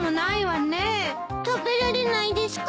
食べられないですか？